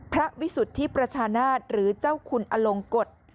วิสุทธิประชานาศหรือเจ้าคุณอลงกฎ